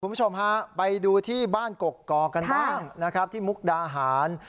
คุณผู้ชมฮะไปดูที่บ้านกกอกกันบ้างนะครับที่มุกดาหาร